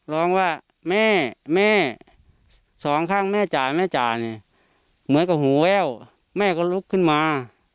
ร้องว่าแม่แม่สองข้างแม่จ๋าแม่จ่าเนี่ยเหมือนกับหูแว่วแม่ก็ลุกขึ้นมา